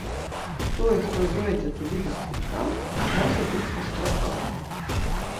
Той, хто зойдзе туды без квітка, можа быць аштрафаваны.